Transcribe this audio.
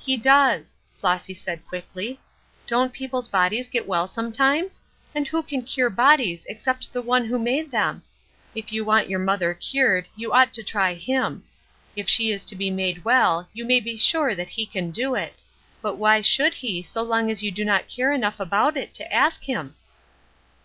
"He does," Flossy said, quickly. "Don't people's bodies get well sometimes? and who can cure bodies except the one who made them? If you want your mother cured you ought to try him. If she is to be made well you may be sure that he can do it; but why should he so long as you do not care enough about it to ask him?"